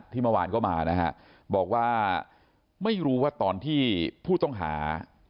เมื่อวานก็มานะฮะบอกว่าไม่รู้ว่าตอนที่ผู้ต้องหา